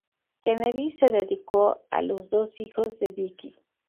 Kennedy se dedicó a los dos hijos de Vicki.